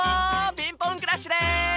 ピンポンクラッシュです！